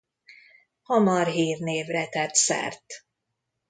Hamar hírnévre tett szert.